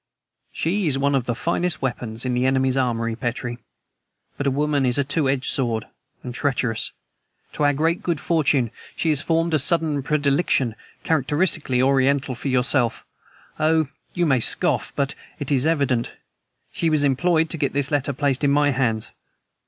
"She is one of the finest weapons in the enemy's armory, Petrie. But a woman is a two edged sword, and treacherous. To our great good fortune, she has formed a sudden predilection, characteristically Oriental, for yourself. Oh, you may scoff, but it is evident. She was employed to get this letter placed in my hands.